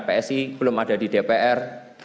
psi belum ada di dpr